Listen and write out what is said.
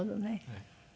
はい。